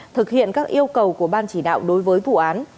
thực hiện các yêu cầu của ban chỉ đạo đối với vụ án